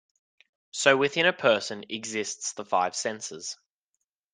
So within a person exists the five senses.